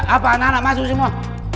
anak anak masuk semua